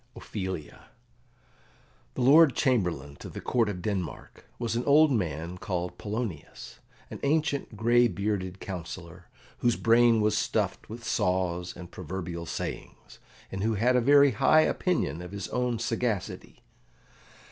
Ophelia The Lord Chamberlain to the Court of Denmark was an old man called Polonius, an ancient gray bearded councillor, whose brain was stuffed with saws and proverbial sayings, and who had a very high opinion of his own sagacity.